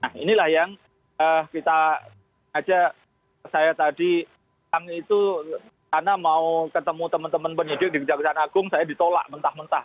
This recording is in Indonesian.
nah inilah yang kita ajak saya tadi kang itu karena mau ketemu teman teman penyidik di kejaksaan agung saya ditolak mentah mentah